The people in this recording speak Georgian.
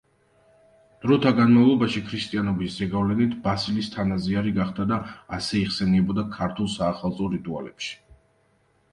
დროთა განმავლობაში ქრისტიანობის ზეგავლენით ბასილის თანაზიარი გახდა და ასე იხსენიებოდა ქართულ საახალწლო რიტუალებში.